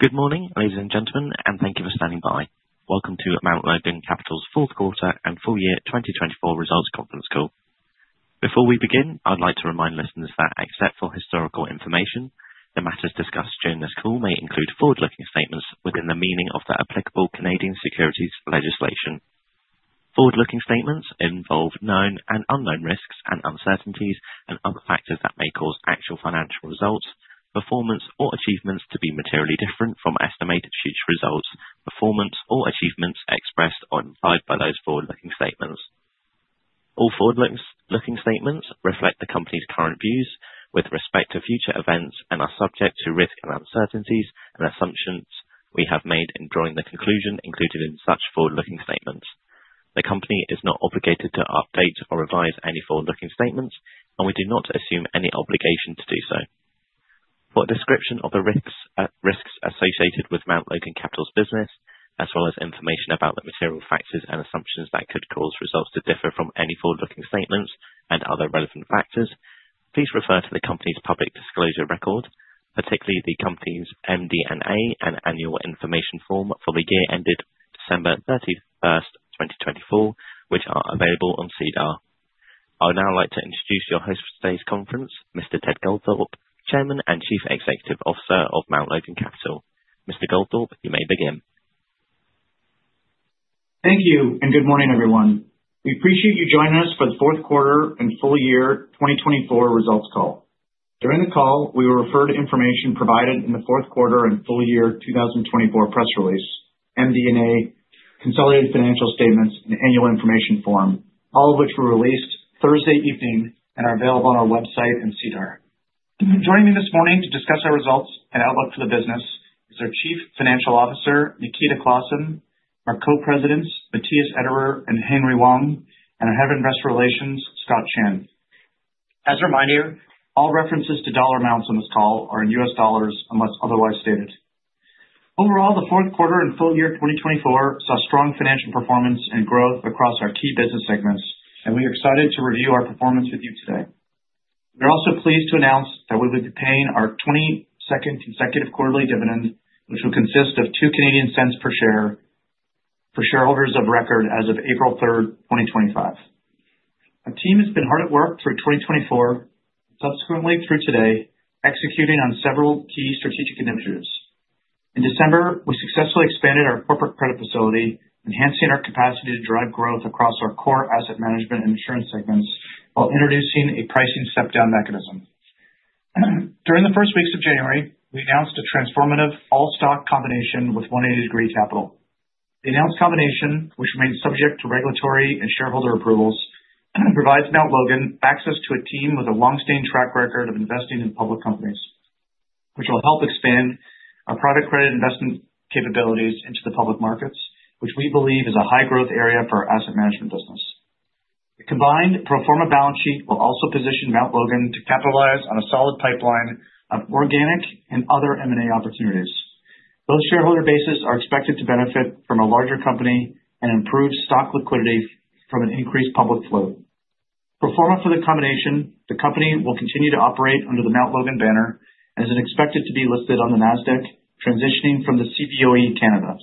Good morning, ladies and gentlemen, and thank you for standing by. Welcome to Mount Logan Capital's fourth quarter and full year 2024 results conference call. Before we begin, I'd like to remind listeners that except for historical information, the matters discussed during this call may include forward-looking statements within the meaning of the applicable Canadian securities legislation. Forward-looking statements involve known and unknown risks and uncertainties and other factors that may cause actual financial results, performance, or achievements to be materially different from estimated future results, performance, or achievements expressed or implied by those forward-looking statements. All forward-looking statements reflect the company's current views with respect to future events and are subject to risk and uncertainties and assumptions we have made in drawing the conclusion included in such forward-looking statements. The company is not obligated to update or revise any forward-looking statements, and we do not assume any obligation to do so. For a description of the risks associated with Mount Logan Capital's business, as well as information about the material factors and assumptions that could cause results to differ from any forward-looking statements and other relevant factors, please refer to the company's public disclosure record, particularly the company's MD&A and annual information form for the year ended December 31, 2024, which are available on SEDAR. I would now like to introduce your host for today's conference, Mr. Ted Goldthorpe, Chairman and Chief Executive Officer of Mount Logan Capital. Mr. Goldthorpe, you may begin. Thank you and good morning, everyone. We appreciate you joining us for the fourth quarter and full year 2024 results call. During the call, we were referred to information provided in the fourth quarter and full year 2024 press release, MD&A, consolidated financial statements, and annual information form, all of which were released Thursday evening and are available on our website and SEDAR. Joining me this morning to discuss our results and outlook for the business is our Chief Financial Officer, Nikita Klassen, our Co-Presidents, Matthias Ederer and Henry Wang, and our Head of Investor Relations, Scott Chan. As a reminder, all references to dollar amounts on this call are in US dollars unless otherwise stated. Overall, the fourth quarter and full year 2024 saw strong financial performance and growth across our key business segments, and we are excited to review our performance with you today. We are also pleased to announce that we will be paying our 22nd consecutive quarterly dividend, which will consist of two Canadian cents per share for shareholders of record as of April 3rd, 2025. Our team has been hard at work through 2024, subsequently through today, executing on several key strategic initiatives. In December, we successfully expanded our corporate credit facility, enhancing our capacity to drive growth across our core asset management and insurance segments while introducing a pricing step-down mechanism. During the first weeks of January, we announced a transformative all-stock combination with 180 Degree Capital. The announced combination, which remains subject to regulatory and shareholder approvals, provides Mount Logan access to a team with a long-standing track record of investing in public companies, which will help expand our private credit investment capabilities into the public markets, which we believe is a high-growth area for our asset management business. The combined pro forma balance sheet will also position Mount Logan to capitalize on a solid pipeline of organic and other M&A opportunities. Both shareholder bases are expected to benefit from a larger company and improved stock liquidity from an increased public float. Pro forma for the combination, the company will continue to operate under the Mount Logan banner and is expected to be listed on the NASDAQ, transitioning from the CBOE Canada.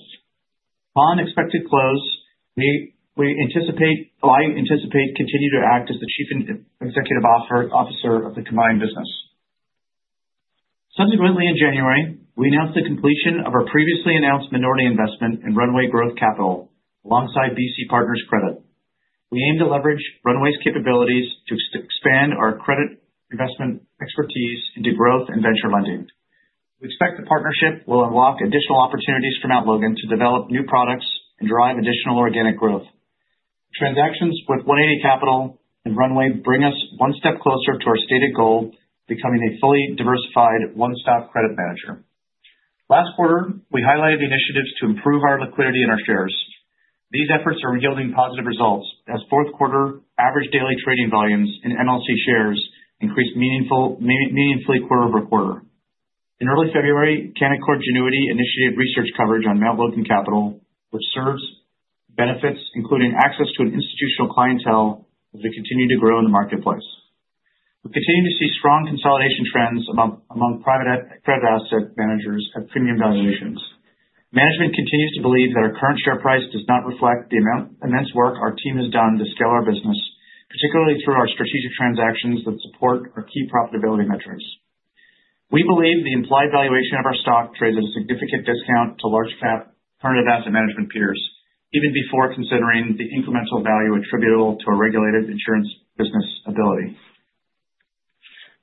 Upon expected close, we anticipate continuing to act as the Chief Executive Officer of the combined business. Subsequently, in January, we announced the completion of our previously announced minority investment in Runway Growth Capital alongside BC Partners Credit. We aim to leverage Runway's capabilities to expand our credit investment expertise into growth and venture lending. We expect the partnership will unlock additional opportunities for Mount Logan to develop new products and drive additional organic growth. Transactions with 180 Degree Capital and Runway Growth Capital bring us one step closer to our stated goal of becoming a fully diversified one-stop credit manager. Last quarter, we highlighted initiatives to improve our liquidity and our shares. These efforts are yielding positive results as fourth quarter average daily trading volumes in Mount Logan Capital shares increased meaningfully quarter over quarter. In early February, Canaccord Genuity initiated research coverage on Mount Logan Capital, which serves benefits including access to an institutional clientele that will continue to grow in the marketplace. We continue to see strong consolidation trends among private credit asset managers at premium valuations. Management continues to believe that our current share price does not reflect the immense work our team has done to scale our business, particularly through our strategic transactions that support our key profitability metrics. We believe the implied valuation of our stock trades at a significant discount to large-cap alternative asset management peers, even before considering the incremental value attributable to a regulated insurance business Ability.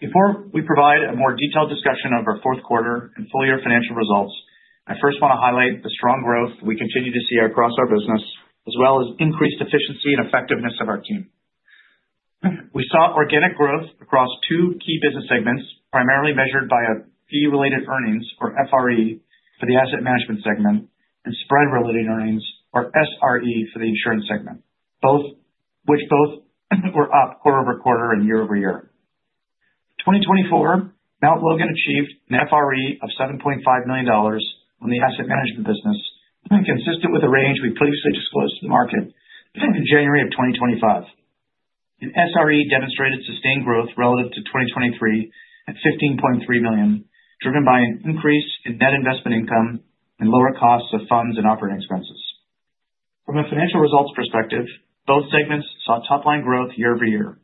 Before we provide a more detailed discussion of our fourth quarter and full year financial results, I first want to highlight the strong growth we continue to see across our business, as well as increased efficiency and effectiveness of our team. We saw organic growth across two key business segments, primarily measured by fee-related earnings, or FRE, for the asset management segment, and spread-related earnings, or SRE, for the insurance segment, which both were up quarter over quarter and year over year. In 2024, Mount Logan achieved an FRE of $7.5 million on the asset management business, consistent with the range we previously disclosed to the market in January of 2025. The SRE demonstrated sustained growth relative to 2023 at $15.3 million, driven by an increase in net investment income and lower costs of funds and operating expenses. From a financial results perspective, both segments saw top-line growth year over year.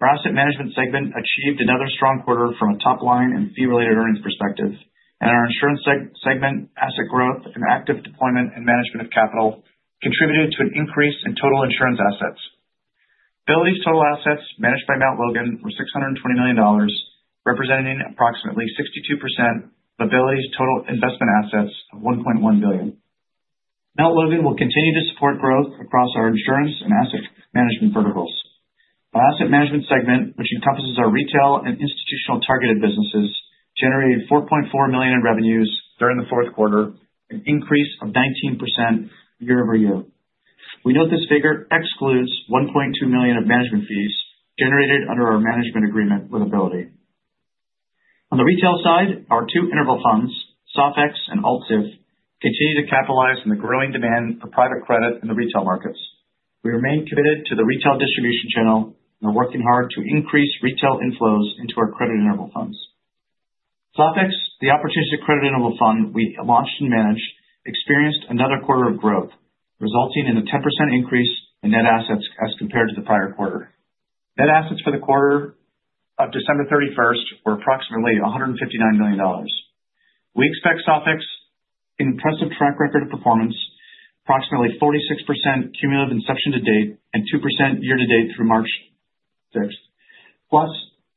Our asset management segment achieved another strong quarter from a top-line and fee-related earnings perspective, and our insurance segment asset growth and active deployment and management of capital contributed to an increase in total insurance assets. Ability's total assets managed by Mount Logan were $620 million, representing approximately 62% of Ability's total investment assets of $1.1 billion. Mount Logan will continue to support growth across our insurance and asset management verticals. Our asset management segment, which encompasses our retail and institutional targeted businesses, generated $4.4 million in revenues during the fourth quarter, an increase of 19% year over year. We note this figure excludes $1.2 million of management fees generated under our management agreement with Ability. On the retail side, our two interval funds, Sofx and AltSIF, continue to capitalize on the growing demand for private credit in the retail markets. We remain committed to the retail distribution channel and are working hard to increase retail inflows into our credit interval funds. Sofx, the Opportunity Credit Interval Fund we launched and managed, experienced another quarter of growth, resulting in a 10% increase in net assets as compared to the prior quarter. Net assets for the quarter of December 31st were approximately $159 million. We expect Sofx's impressive track record of performance, approximately 46% cumulative inception to date and 2% year to date through March 6th, plus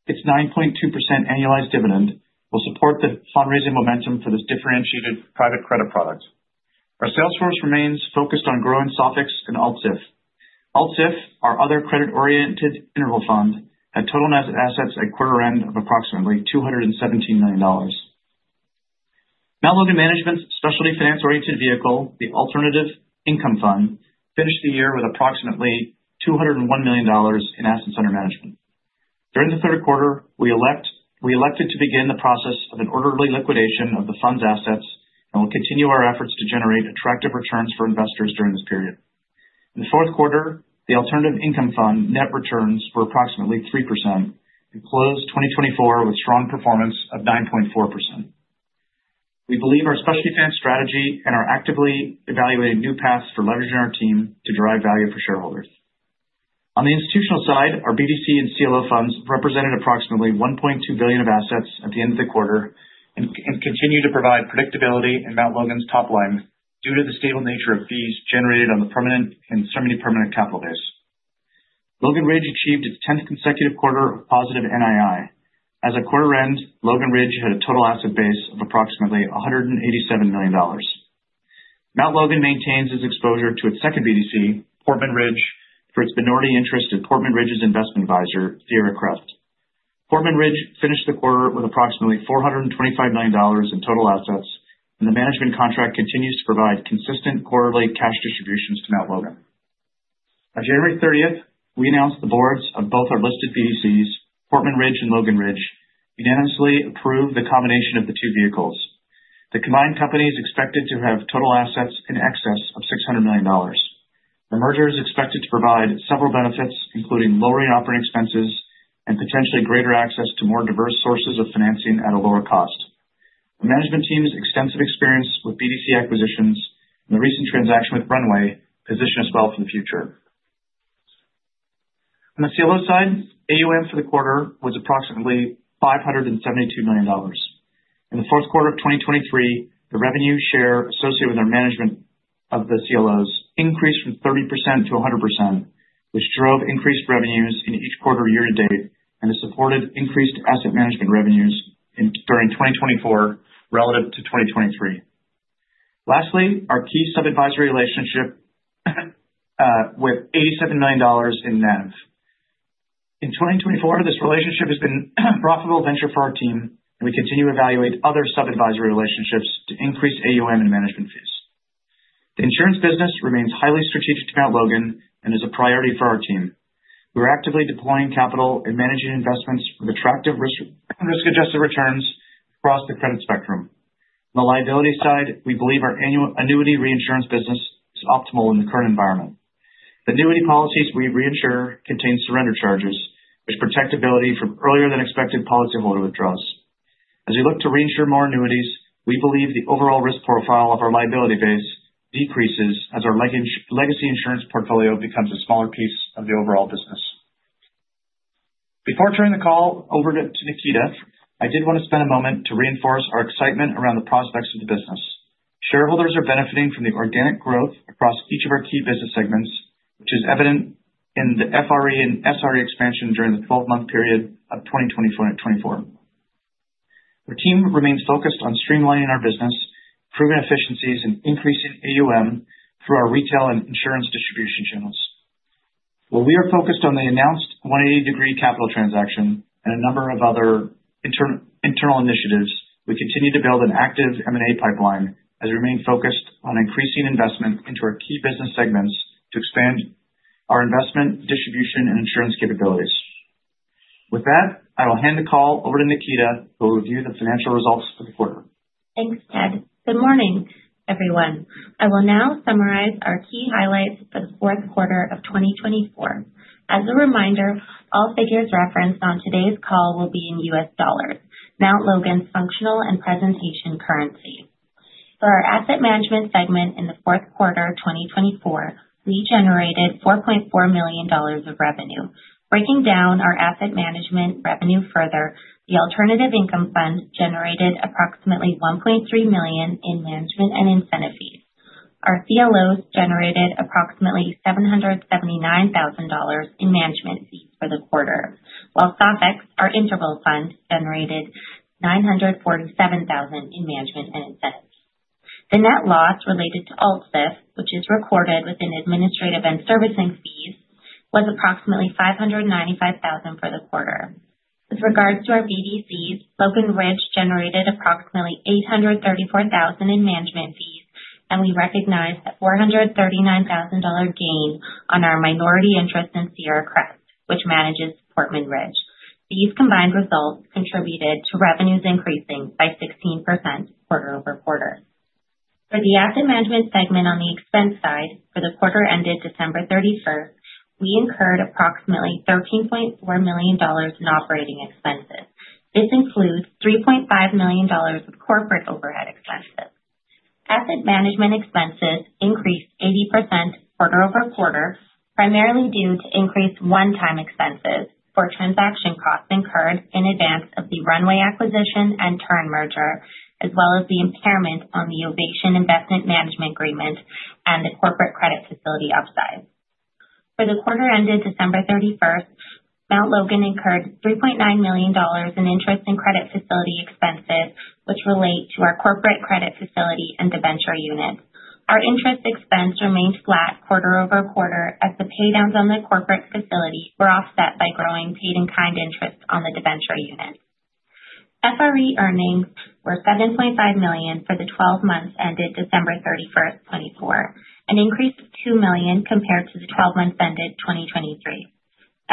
its 9.2% annualized dividend, will support the fundraising momentum for this differentiated private credit product. Our sales force remains focused on growing Sofx and AltSIF. AltSIF, our other credit-oriented interval fund, had total net assets at quarter-end of approximately $217 million. Mount Logan Management's specialty finance-oriented vehicle, the Alternative Income Fund, finished the year with approximately $201 million in assets under management. During the third quarter, we elected to begin the process of an orderly liquidation of the fund's assets and will continue our efforts to generate attractive returns for investors during this period. In the fourth quarter, the Alternative Income Fund net returns were approximately 3% and closed 2024 with strong performance of 9.4%. We believe our specialty finance strategy and are actively evaluating new paths for leveraging our team to drive value for shareholders. On the institutional side, our BDC and CLO funds represented approximately $1.2 billion of assets at the end of the quarter and continue to provide predictability in Mount Logan's top line due to the stable nature of fees generated on the permanent and semi-permanent capital base. Logan Ridge achieved its 10th consecutive quarter of positive NII. As of quarter-end, Logan Ridge had a total asset base of approximately $187 million. Mount Logan maintains its exposure to its second BDC, Portman Ridge, for its minority interest in Portman Ridge's investment advisor, Thea Craft. Portman Ridge finished the quarter with approximately $425 million in total assets, and the management contract continues to provide consistent quarterly cash distributions to Mount Logan. On January 30th, we announced the boards of both our listed BDCs, Portman Ridge and Logan Ridge, unanimously approved the combination of the two vehicles. The combined company is expected to have total assets in excess of $600 million. The merger is expected to provide several benefits, including lowering operating expenses and potentially greater access to more diverse sources of financing at a lower cost. The management team's extensive experience with BDC acquisitions and the recent transaction with Runway position us well for the future. On the CLO side, AUM for the quarter was approximately $572 million. In the fourth quarter of 2023, the revenue share associated with our management of the CLOs increased from 30% to 100%, which drove increased revenues in each quarter year to date and has supported increased asset management revenues during 2024 relative to 2023. Lastly, our key sub-advisory relationship with $87 million in NAV. In 2024, this relationship has been a profitable venture for our team, and we continue to evaluate other sub-advisory relationships to increase AUM and management fees. The insurance business remains highly strategic to Mount Logan and is a priority for our team. We are actively deploying capital and managing investments with attractive risk-adjusted returns across the credit spectrum. On the liability side, we believe our annuity reinsurance business is optimal in the current environment. The annuity policies we reinsure contain surrender charges, which protect Ability from earlier-than-expected policyholder withdrawals. As we look to reinsure more annuities, we believe the overall risk profile of our liability base decreases as our legacy insurance portfolio becomes a smaller piece of the overall business. Before turning the call over to Nikita, I did want to spend a moment to reinforce our excitement around the prospects of the business. Shareholders are benefiting from the organic growth across each of our key business segments, which is evident in the FRE and SRE expansion during the 12-month period of 2024. Our team remains focused on streamlining our business, improving efficiencies, and increasing AUM through our retail and insurance distribution channels. While we are focused on the announced 180 Degree Capital transaction and a number of other internal initiatives, we continue to build an active M&A pipeline as we remain focused on increasing investment into our key business segments to expand our investment, distribution, and insurance capabilities. With that, I will hand the call over to Nikita, who will review the financial results for the quarter. Thanks, Ted. Good morning, everyone. I will now summarize our key highlights for the fourth quarter of 2024. As a reminder, all figures referenced on today's call will be in US dollars, Mount Logan's functional and presentation currency. For our asset management segment in the fourth quarter of 2024, we generated $4.4 million of revenue. Breaking down our asset management revenue further, the Alternative Income Fund generated approximately $1.3 million in management and incentive fees. Our CLOs generated approximately $779,000 in management fees for the quarter, while Sofx, our interval fund, generated $947,000 in management and incentive fees. The net loss related to AltSIF, which is recorded within administrative and servicing fees, was approximately $595,000 for the quarter. With regards to our BDCs, Logan Ridge generated approximately $834,000 in management fees, and we recognize a $439,000 gain on our minority interest in Sierra Crest, which manages Portman Ridge. These combined results contributed to revenues increasing by 16% quarter over quarter. For the asset management segment on the expense side, for the quarter ended December 31, we incurred approximately $13.4 million in operating expenses. This includes $3.5 million of corporate overhead expenses. Asset management expenses increased 80% quarter over quarter, primarily due to increased one-time expenses for transaction costs incurred in advance of the Runway acquisition and Tern merger, as well as the impairment on the Ovation Investment Management Agreement and the corporate credit facility upside. For the quarter ended December 31, Mount Logan incurred $3.9 million in interest and credit facility expenses, which relate to our corporate credit facility and debenture unit. Our interest expense remained flat quarter over quarter as the paydowns on the corporate facility were offset by growing paid-in-kind interest on the debenture unit. FRE earnings were $7.5 million for the 12 months ended December 31, 2024, an increase of $2 million compared to the 12 months ended 2023.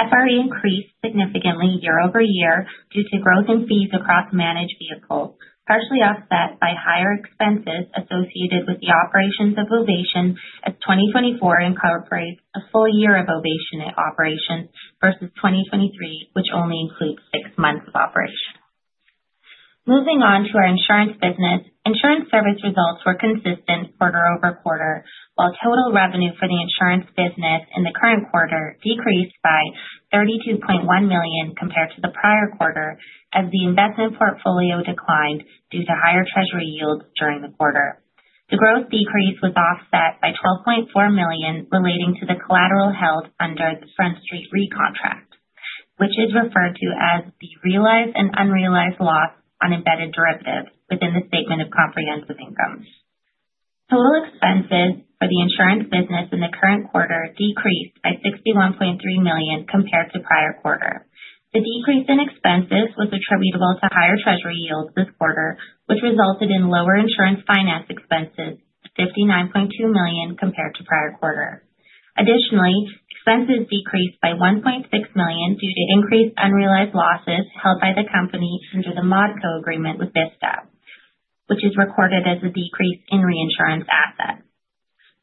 FRE increased significantly year over year due to growth in fees across managed vehicles, partially offset by higher expenses associated with the operations of Ovation, as 2024 incorporates a full year of Ovation operations versus 2023, which only includes six months of operation. Moving on to our insurance business, insurance service results were consistent quarter over quarter, while total revenue for the insurance business in the current quarter decreased by $32.1 million compared to the prior quarter, as the investment portfolio declined due to higher treasury yields during the quarter. The growth decrease was offset by $12.4 million relating to the collateral held under the Front Street Re contract, which is referred to as the realized and unrealized loss on embedded derivatives within the statement of comprehensive incomes. Total expenses for the insurance business in the current quarter decreased by $61.3 million compared to prior quarter. The decrease in expenses was attributable to higher treasury yields this quarter, which resulted in lower insurance finance expenses of $59.2 million compared to prior quarter. Additionally, expenses decreased by $1.6 million due to increased unrealized losses held by the company under the Modco agreement with Vista, which is recorded as a decrease in reinsurance assets.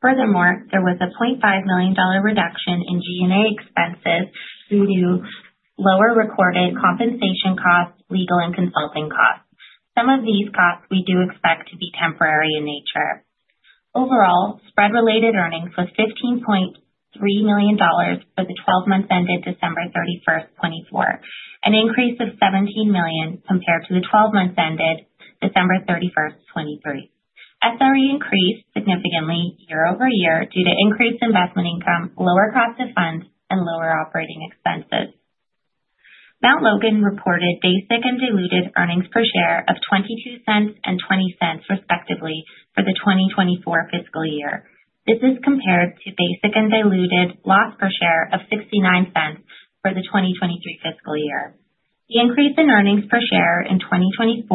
Furthermore, there was a $0.5 million reduction in G&A expenses due to lower recorded compensation costs, legal and consulting costs. Some of these costs we do expect to be temporary in nature. Overall, spread-related earnings was $15.3 million for the 12 months ended December 31, 2024, an increase of $17 million compared to the 12 months ended December 31, 2023. SRE increased significantly year over year due to increased investment income, lower cost of funds, and lower operating expenses. Mount Logan reported basic and diluted earnings per share of $0.22 and $0.20 respectively for the 2024 fiscal year. This is compared to basic and diluted loss per share of $0.69 for the 2023 fiscal year. The increase in earnings per share in 2024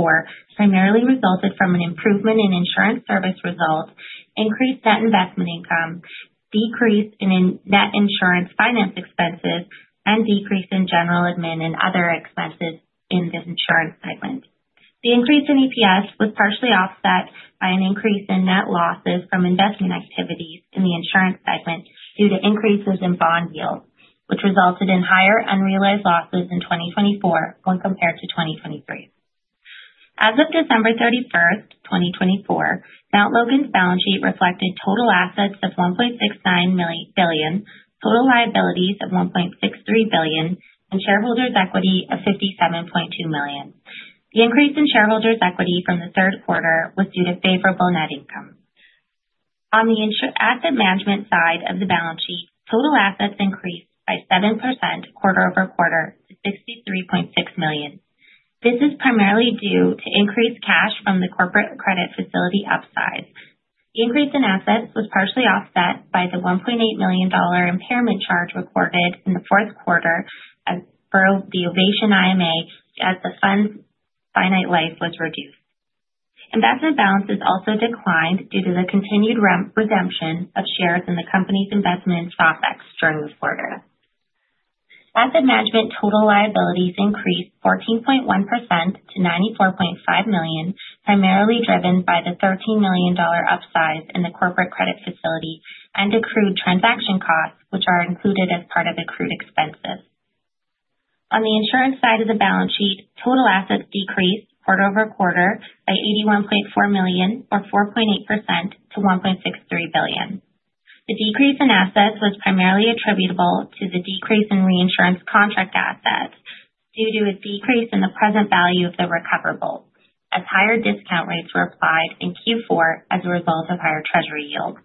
primarily resulted from an improvement in insurance service results, increased net investment income, decrease in net insurance finance expenses, and decrease in general admin and other expenses in the insurance segment. The increase in EPS was partially offset by an increase in net losses from investment activities in the insurance segment due to increases in bond yields, which resulted in higher unrealized losses in 2024 when compared to 2023. As of December 31, 2024, Mount Logan's balance sheet reflected total assets of $1.69 billion, total liabilities of $1.63 billion, and shareholders' equity of $57.2 million. The increase in shareholders' equity from the third quarter was due to favorable net income. On the asset management side of the balance sheet, total assets increased by 7% quarter over quarter to $63.6 million. This is primarily due to increased cash from the corporate credit facility upside. The increase in assets was partially offset by the $1.8 million impairment charge recorded in the fourth quarter for the Ovation IMA as the fund's finite life was reduced. Investment balance is also declined due to the continued resumption of shares in the company's investment in Sofx during the quarter. Asset management total liabilities increased 14.1% to $94.5 million, primarily driven by the $13 million upside in the corporate credit facility and accrued transaction costs, which are included as part of accrued expenses. On the insurance side of the balance sheet, total assets decreased quarter over quarter by $81.4 million, or 4.8% to $1.63 billion. The decrease in assets was primarily attributable to the decrease in reinsurance contract assets due to a decrease in the present value of the recoverable, as higher discount rates were applied in Q4 as a result of higher treasury yields.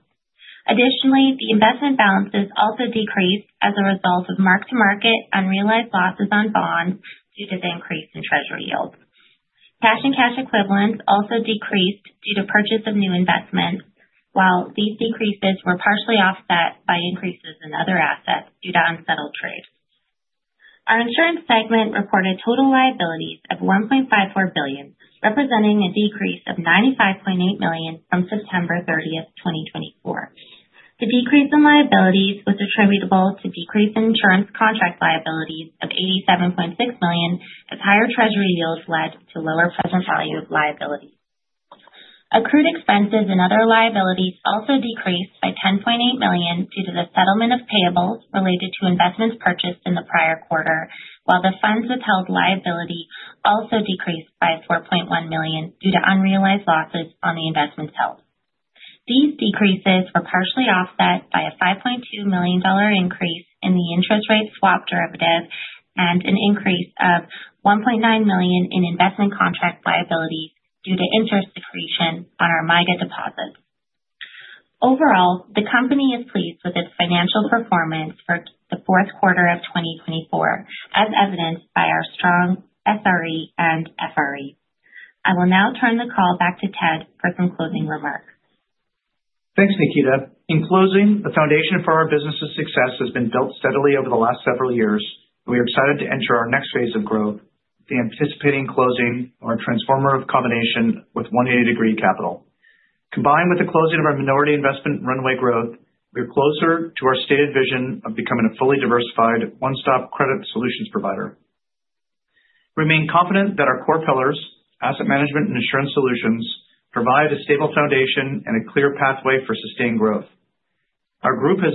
Additionally, the investment balances also decreased as a result of mark-to-market unrealized losses on bonds due to the increase in treasury yields. Cash and cash equivalents also decreased due to purchase of new investments, while these decreases were partially offset by increases in other assets due to unsettled trade. Our insurance segment reported total liabilities of $1.54 billion, representing a decrease of $95.8 million from September 30, 2024. The decrease in liabilities was attributable to decreased insurance contract liabilities of $87.6 million, as higher treasury yields led to lower present value of liabilities. Accrued expenses and other liabilities also decreased by $10.8 million due to the settlement of payables related to investments purchased in the prior quarter, while the funds withheld liability also decreased by $4.1 million due to unrealized losses on the investments held. These decreases were partially offset by a $5.2 million increase in the interest rate swap derivatives and an increase of $1.9 million in investment contract liabilities due to interest depreciation on our MIGA deposits. Overall, the company is pleased with its financial performance for the fourth quarter of 2024, as evidenced by our strong SRE and FRE. I will now turn the call back to Ted for some closing remarks. Thanks, Nikita. In closing, the foundation for our business's success has been built steadily over the last several years, and we are excited to enter our next phase of growth, the anticipating closing of our transformer combination with 180 Degree Capital. Combined with the closing of our minority investment Runway Growth, we are closer to our stated vision of becoming a fully diversified, one-stop credit solutions provider. We remain confident that our core pillars, asset management and insurance solutions, provide a stable foundation and a clear pathway for sustained growth. Our group has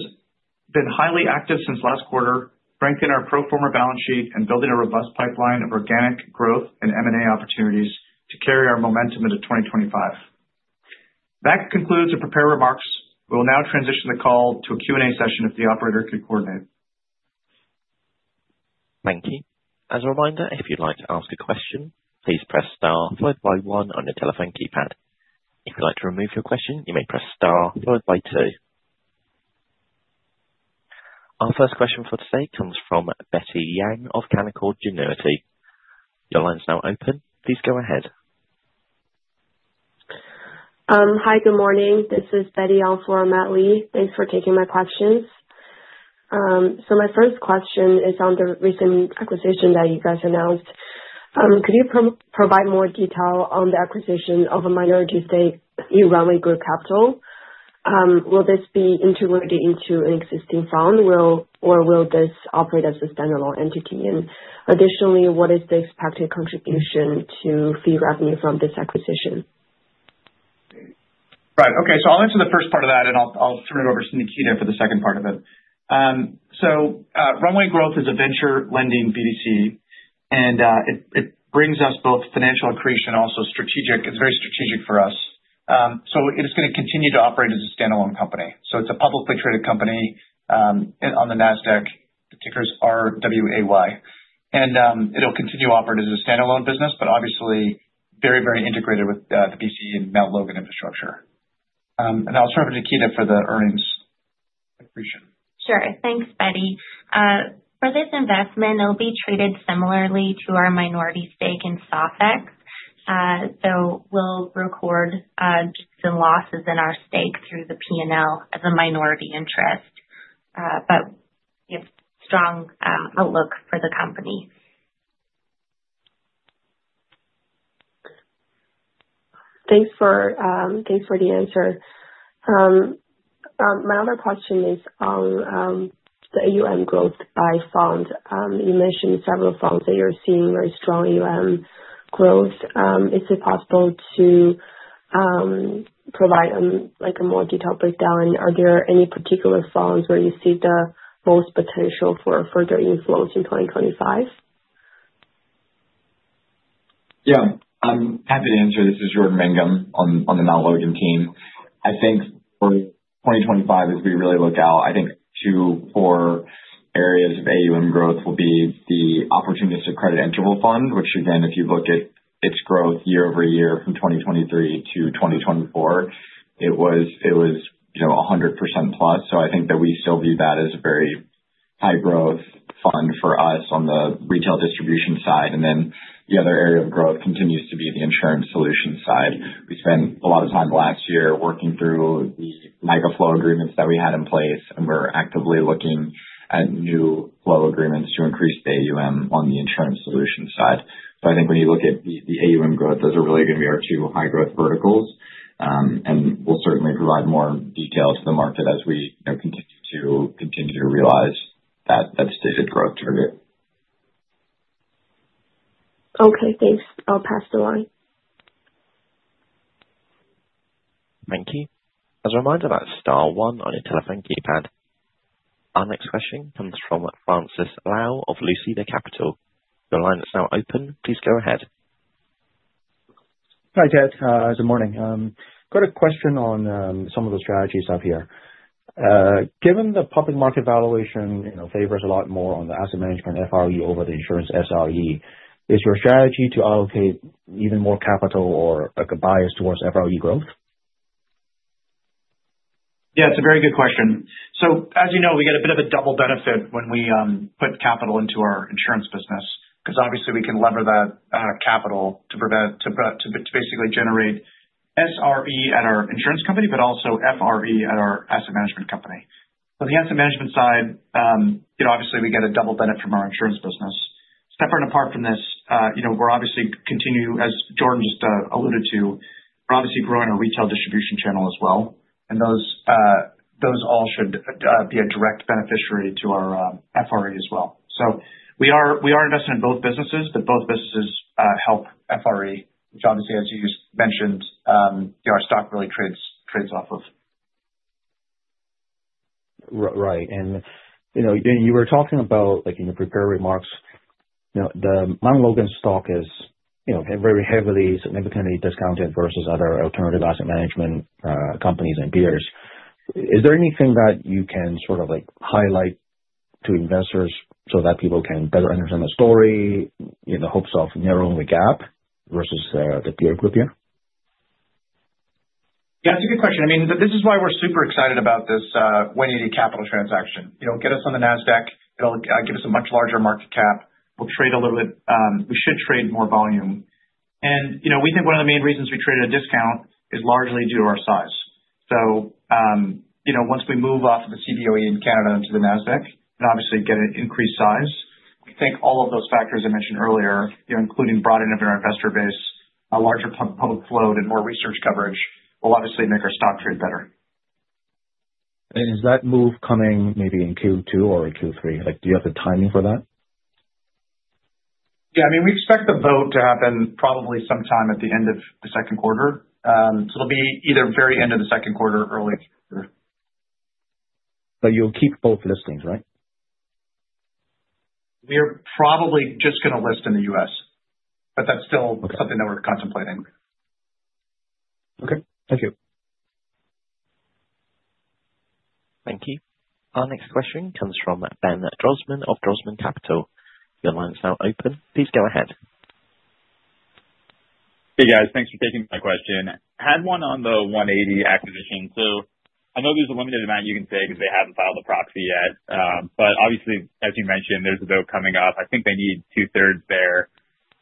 been highly active since last quarter, strengthening our pro-forma balance sheet and building a robust pipeline of organic growth and M&A opportunities to carry our momentum into 2025. That concludes the prepared remarks. We will now transition the call to a Q&A session if the operator could coordinate. Thank you. As a reminder, if you'd like to ask a question, please press * by one on your telephone keypad. If you'd like to remove your question, you may press * by two. Our first question for today comes from Betty Yang of Canaccord Genuity. Your line is now open. Please go ahead. Hi, good morning. This is Betty, also from Canaccord Genuity. Thanks for taking my questions. My first question is on the recent acquisition that you guys announced. Could you provide more detail on the acquisition of a minority stake in Runway Growth Capital? Will this be integrated into an existing fund, or will this operate as a standalone entity? Additionally, what is the expected contribution to fee revenue from this acquisition? Right. Okay. I'll answer the first part of that, and I'll turn it over to Nikita for the second part of it. Runway Growth is a venture lending BDC, and it brings us both financial accretion and also strategic. It's very strategic for us. It is going to continue to operate as a standalone company. It's a publicly traded company on the NASDAQ. The ticker is RWAY. It'll continue to operate as a standalone business, but obviously very, very integrated with the BC and Mount Logan infrastructure. I'll turn it over to Nikita for the earnings accretion. Sure. Thanks, Betty. For this investment, it'll be treated similarly to our minority stake in Sofx. We'll record the losses in our stake through the P&L as a minority interest, but we have strong outlook for the company. Thanks for the answer. My other question is on the AUM growth by fund. You mentioned several funds that you're seeing very strong AUM growth. Is it possible to provide a more detailed breakdown? Are there any particular funds where you see the most potential for further inflows in 2025? Yeah. I'm happy to answer. This is Jordan Mangum on the Mount Logan team. I think for 2025, as we really look out, I think two core areas of AUM growth will be the Opportunistic Credit Interval Fund, which, again, if you look at its growth year over year from 2023 to 2024, it was 100% plus. I think that we still view that as a very high-growth fund for us on the retail distribution side. The other area of growth continues to be the insurance solution side. We spent a lot of time last year working through the MIGA flow agreements that we had in place, and we're actively looking at new flow agreements to increase the AUM on the insurance solution side. I think when you look at the AUM growth, those are really going to be our two high-growth verticals. We'll certainly provide more detail to the market as we continue to realize that stated growth target. Okay. Thanks. I'll pass the line. Thank you. As a reminder, that's *1 on your telephone keypad. Our next question comes from Francis Lau of Lucida Capital. The line is now open. Please go ahead. Hi, Ted. Good morning. Got a question on some of the strategies I've here. Given the public market valuation favors a lot more on the asset management FRE over the insurance SRE, is your strategy to allocate even more capital or a bias towards FRE growth? Yeah. It's a very good question. As you know, we get a bit of a double benefit when we put capital into our insurance business because, obviously, we can lever that capital to basically generate SRE at our insurance company, but also FRE at our asset management company. On the asset management side, obviously, we get a double benefit from our insurance business. Separate and apart from this, we're obviously continuing, as Jordan just alluded to, we're obviously growing our retail distribution channel as well. Those all should be a direct beneficiary to our FRE as well. We are investing in both businesses, but both businesses help FRE, which, obviously, as you mentioned, our stock really trades off of. Right. You were talking about in your prepared remarks, the Mount Logan stock is very heavily significantly discounted versus other alternative asset management companies and peers. Is there anything that you can sort of highlight to investors so that people can better understand the story in the hopes of narrowing the gap versus the peer group here? Yeah. That's a good question. I mean, this is why we're super excited about this 180 Degree Capital transaction. Get us on the NASDAQ. It'll give us a much larger market cap. We'll trade a little bit. We should trade more volume. We think one of the main reasons we trade at a discount is largely due to our size. Once we move off of the CBOE in Canada into the NASDAQ and obviously get an increased size, I think all of those factors I mentioned earlier, including broadening up our investor base, a larger public float, and more research coverage will obviously make our stock trade better. Is that move coming maybe in Q2 or Q3? Do you have the timing for that? Yeah. I mean, we expect the vote to happen probably sometime at the end of the second quarter. It will be either very end of the second quarter or early quarter. You'll keep both listings, right? We're probably just going to list in the U.S., but that's still something that we're contemplating. Thank you. Thank you. Our next question comes from Ben Drosman of Drosman Capital. Your line is now open. Please go ahead. Hey, guys. Thanks for taking my question. Had one on the 180 acquisition too. I know there's a limited amount you can say because they haven't filed a proxy yet. Obviously, as you mentioned, there's a vote coming up. I think they need two-thirds there.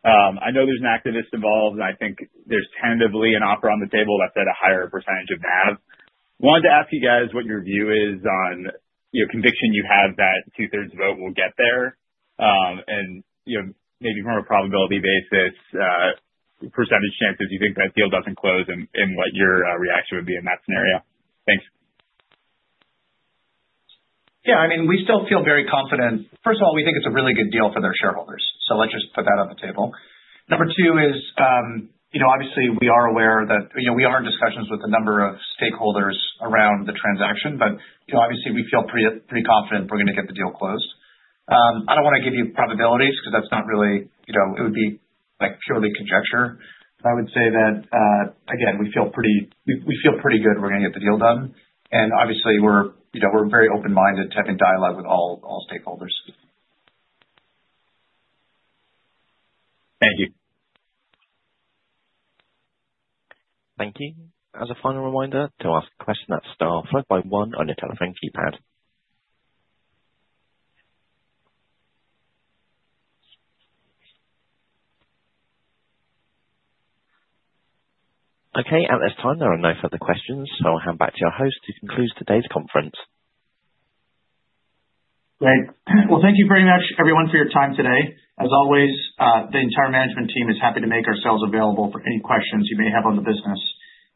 I know there's an activist involved, and I think there's tentatively an offer on the table that's at a higher percentage of NAV. Wanted to ask you guys what your view is on conviction you have that two-thirds vote will get there and maybe from a probability basis, percentage chances you think that deal doesn't close and what your reaction would be in that scenario. Thanks. Yeah. I mean, we still feel very confident. First of all, we think it's a really good deal for their shareholders. Let's just put that on the table. Number two is, obviously, we are aware that we are in discussions with a number of stakeholders around the transaction, but obviously, we feel pretty confident we're going to get the deal closed. I don't want to give you probabilities because that's not really—it would be purely conjecture. I would say that, again, we feel pretty good we're going to get the deal done. Obviously, we're very open-minded to having dialogue with all stakeholders. Thank you. Thank you. As a final reminder, to ask a question, press *1 on your telephone keypad. Okay. At this time, there are no further questions, so I'll hand back to our host to conclude today's conference. Great. Thank you very much, everyone, for your time today. As always, the entire management team is happy to make ourselves available for any questions you may have on the business.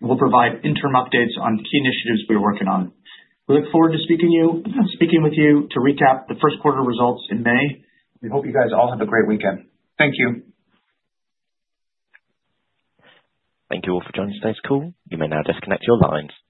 We'll provide interim updates on key initiatives we're working on. We look forward to speaking with you to recap the first quarter results in May. We hope you guys all have a great weekend. Thank you. Thank you all for joining today's call. You may now disconnect your lines.